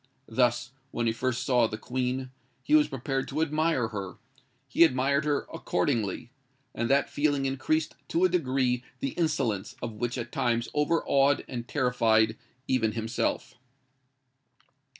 Thus, when he first saw the Queen, he was prepared to admire her:—he admired her accordingly; and that feeling increased to a degree the insolence of which at times overawed and terrified even himself.